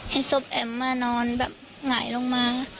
เห็นสบแอมมานอนแบบไหงลงมา